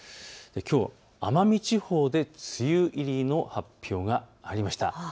きょう奄美地方で梅雨入りの発表がありました。